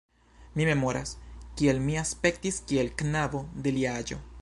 Mi memoras, kiel mi aspektis kiel knabo de lia aĝo.